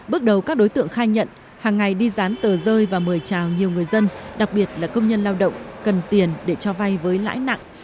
bước đầu các đối tượng khai nhận hàng ngày đi dán tờ rơi và mời chào nhiều người dân đặc biệt là công nhân lao động cần tiền để cho vay với lãi nặng